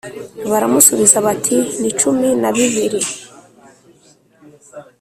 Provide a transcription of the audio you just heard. Baramusubiza bati ni cumi na bibiri